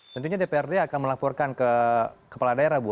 tentunya dprd akan melaporkan ke kepala daerah bu